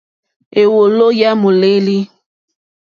Éwòló yá mòlêlì.